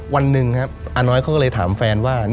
วันหนึ่งอ้าน้อยก็เลยถามแฟนว่า